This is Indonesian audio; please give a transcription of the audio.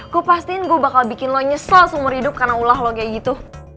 ku pastiin gue bakal bikin lo nyesel seumur hidup karena ulah lo kayak gitu